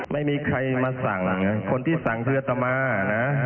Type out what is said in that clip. ไม่มีใครมาสั่งคนที่สั่งคืออัตมานะ